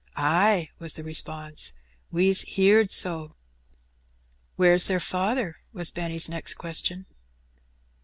"Ay," was the response; "we's heerd so." "Where's their faather?" was Benny's next question.